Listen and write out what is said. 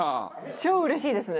超うれしいですね。